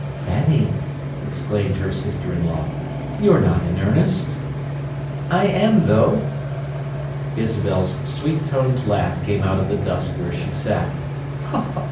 "Fanny!" exclaimed her sister in law. "You're not in earnest?" "I am, though!" Isabel's sweet toned laugh came out of the dusk where she sat.